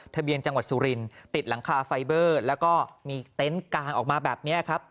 ทะเบียนจังหวัดสุรินติดหลังคาไฟเบอร์แล้วก็มีเต็นต์กางออกมาแบบนี้ครับ